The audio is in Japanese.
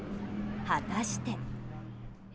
果たして。